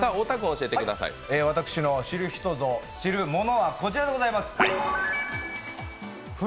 私の知る人ぞ知るものはこちらです。